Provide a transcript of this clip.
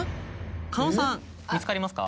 狩野さん見つかりますか？